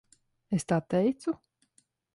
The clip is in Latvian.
Es tā teicu?